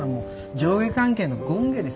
上下関係の権化です。